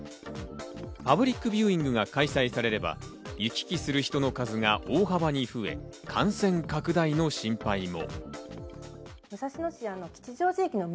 パブリックビューイングが開催されれば、行き来する人の数が大幅に増え、感染拡大の心配も。